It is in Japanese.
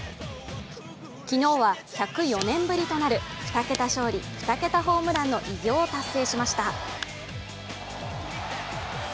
昨日は１０４年ぶりとなる２桁勝利、２桁ホームランの偉業を達成しました。